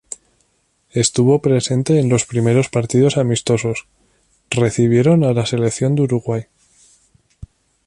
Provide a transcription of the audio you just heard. Estuvo presente en los primeros partidos amistosos, recibieron a la selección de Uruguay.